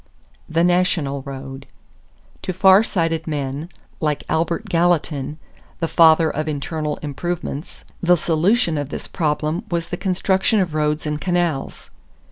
=The National Road.= To far sighted men, like Albert Gallatin, "the father of internal improvements," the solution of this problem was the construction of roads and canals.